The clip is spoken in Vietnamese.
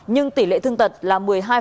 nhưng tỷ lệ thương tật là một mươi hai